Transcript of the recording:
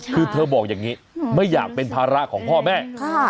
คือเธอบอกอย่างนี้ไม่อยากเป็นภาระของพ่อแม่